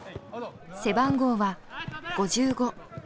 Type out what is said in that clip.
背番号は５５。